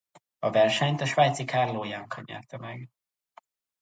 A versenyt a svájci Carlo Janka nyerte meg.